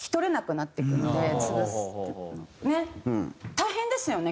大変ですよね？